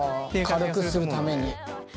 軽くするために。